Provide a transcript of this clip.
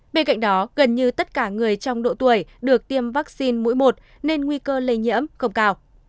bên cạnh đó gần như tất cả người trong độ tuổi được tiêm vaccine mũi một nên nguy cơ lây nhiễm không cao